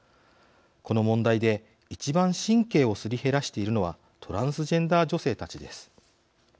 この問題で一番神経をすり減らしているのはトランスジェンダー女性たちです。